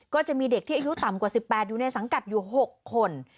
ก็จะมีเด็กที่อายุต่ำกว่า๑๘อยู่ในสังกัดอยู่๖คน